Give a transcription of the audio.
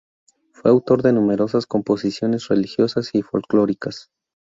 Fue autor de numerosas composiciones religiosas y folclóricas.